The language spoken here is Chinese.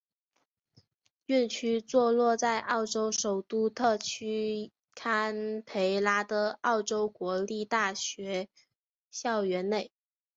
院区座落在澳洲首都特区坎培拉的澳洲国立大学校园内。